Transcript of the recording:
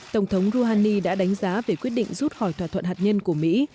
tổng thống rouhani đã đánh giá về quyết định rút khỏi thỏa thuận hạt nhân của mỹ